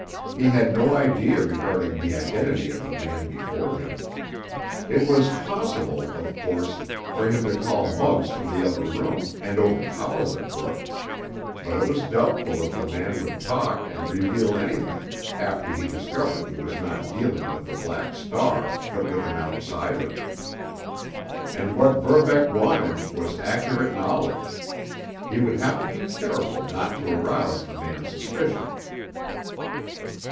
He had no idea regarding the identity of the man before him. It was possible, of course, for him to call Muggs from the other room and overpower the crook, but it was doubtful if the man would talk and reveal anything after he discovered he was not dealing with the Black Star, but with an outsider. And what Verbeck wanted was accurate knowledge; he would have to be careful not to arouse the man's suspicion.